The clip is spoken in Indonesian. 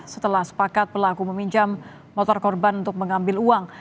setelah sepakat pelaku meminjam motor korban untuk mengambil uang